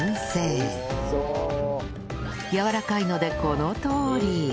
やわらかいのでこのとおり！